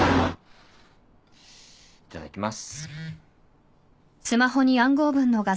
いただきます。